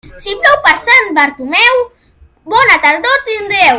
Si plou per Sant Bartomeu, bona tardor tindreu.